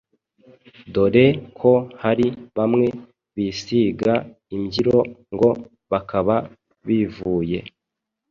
dore ko hari bamwe bisiga imbyiro ngo bakaba bivuye